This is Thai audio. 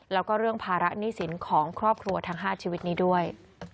แล้วก็เรื่องภาระหนี้สินของครอบครัวทั้ง๕ชีวิตนี้ด้วย